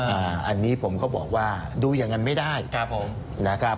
อันนี้ผมก็บอกว่าดูอย่างนั้นไม่ได้ครับผมนะครับ